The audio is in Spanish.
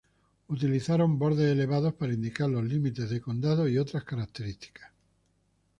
Utilizaron bordes elevados para indicar los límites de condado y otras características.